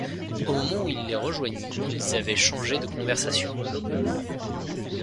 Au moment où il les rejoignit, ils avaient changé de conversation.